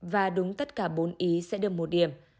và đúng tất cả bốn ý sẽ được một điểm